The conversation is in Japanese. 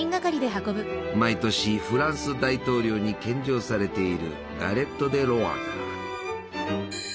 毎年フランス大統領に献上されているガレット・デ・ロワだ。